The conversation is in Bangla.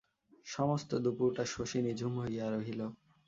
সমস্ত দুপুরটা শশী নিঝুম হইয়া রহিল।